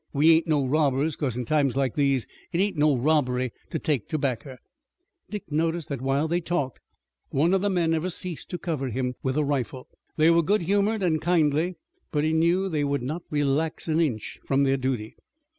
We ain't no robbers, 'cause in times like these it ain't no robbery to take terbacker." Dick noticed that while they talked one of the men never ceased to cover him with a rifle. They were good humored and kindly, but he knew they would not relax an inch from their duty.